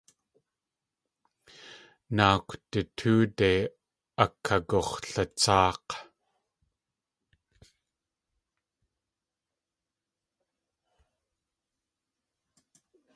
Náakw du tóode akagux̲latsáak̲.